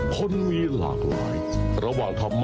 คนมีหลากหลายระหว่างธรรมะ